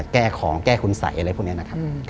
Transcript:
แก้ของแก้คุณสัยอะไรพวกนี้นะครับ